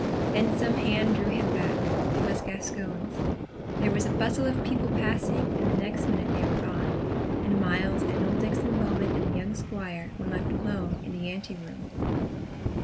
Then some hand drew him back it was Gascoyne's there was a bustle of people passing, and the next minute they were gone, and Myles and old Diccon Bowman and the young squire were left alone in the anteroom.